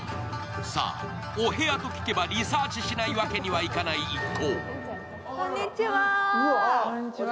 さあ、お部屋と聞けばリサーチしないわけにはいかない一行。